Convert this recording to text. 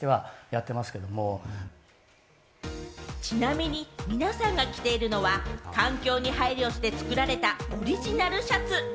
ちなみに皆さんが着ているのは、環境に配慮して作られたオリジナルシャツ。